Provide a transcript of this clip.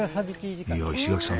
いやあ石垣さん